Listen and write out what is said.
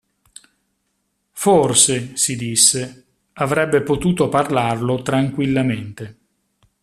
Forse, si disse, avrebbe potuto parlarlo tranquillamente.